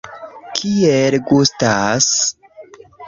Kiel gustas?